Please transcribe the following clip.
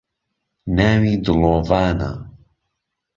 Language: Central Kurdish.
ناوی دلۆڤانە